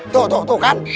tuh tuh tuh kan